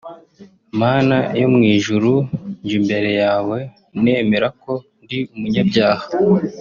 Mana yo mw’ijuru nje imbere yawe nemera ko ndi umunyabyaha